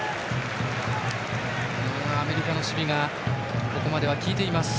アメリカの守備がここまでは効いています。